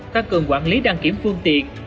tăng cường quản lý đăng kiểm phương tiện